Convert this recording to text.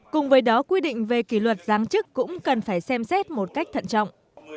cùng với đó quy định về kỷ luật giáng chức cũng cần phải xem xét một cách thận trọng